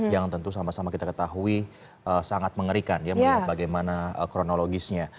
yang tentu sama sama kita ketahui sangat mengerikan ya melihat bagaimana kronologisnya